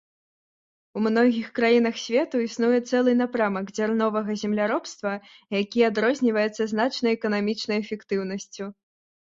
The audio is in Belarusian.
У многіх краінах свету існуе цэлы напрамак дзярновага земляробства, які адрозніваецца значнай эканамічнай эфектыўнасцю.